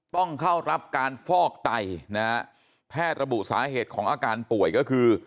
ต้องเข้ารับการฟอกไตนะฮะแพทย์ระบุสาเหตุของอาการป่วยก็คือ